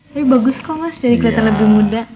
tapi bagus kok mas jadi kelihatan lebih muda